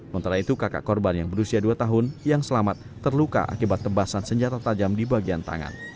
mentara itu kakak korban yang berusia dua tahun yang selamat terluka akibat tebasan senjata tajam di bagian tangan